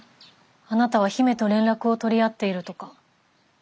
あなたは姫と連絡を取り合っているとか。